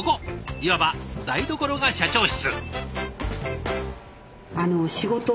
いわば台所が社長室。